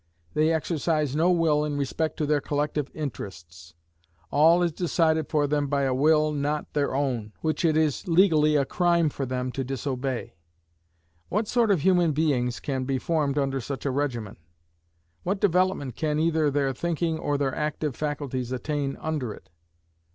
They exercise no will in respect to their collective interests. All is decided for them by a will not their own, which it is legally a crime for them to disobey. What sort of human beings can be formed under such a regimen? What development can either their thinking or their active faculties attain under it?